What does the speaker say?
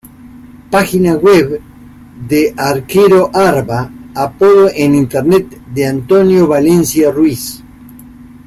Página web de arquero_arba, apodo en Internet de Antonio Valencia Ruiz